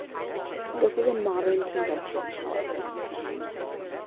This is a modern convention, however.